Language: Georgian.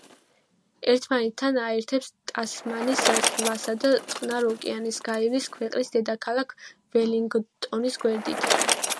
ერთმანეთთან აერთებს ტასმანის ზღვასა და წყნარ ოკეანეს, გაივლის ქვეყნის დედაქალაქ ველინგტონის გვერდით.